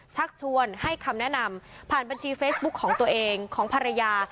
ชักชวนให้คำแนะนำผ่านบัญชีเฟซบุ๊คของตัวเองของภรรยา